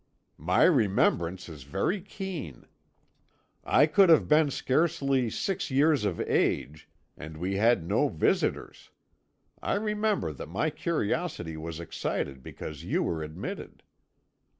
"My remembrance is very keen. I could have been scarcely six years of age, and we had no visitors. I remember that my curiosity was excited because you were admitted."